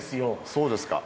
そうですか。